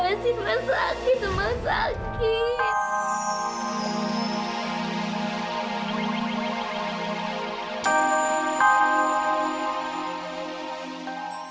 masih terlalu sakit ma sakit